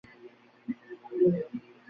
তিনি প্যান ইসলামি চিন্তা থেকে সরে আসেন।